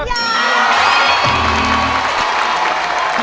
ร้องด้านให้ล้าน